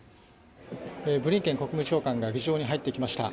ブリンケン国務長官が議場に入ってきました。